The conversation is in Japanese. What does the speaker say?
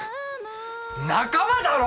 仲間だろ！